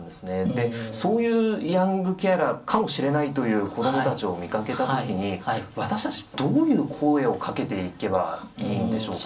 でそういうヤングケアラーかもしれないという子どもたちを見かけた時に私たちどういう声をかけていけばいいんでしょうか？